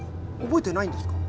覚えてないんですか？